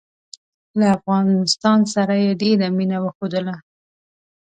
له افغانستان سره یې ډېره مینه وښودله.